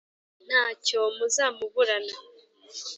ntacyo muzamuburana